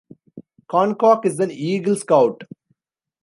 Koncak is an Eagle Scout.